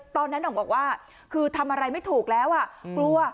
ตอนนั้นบอกว่าคือทำอะไรไม่ถูกแล้วกลัว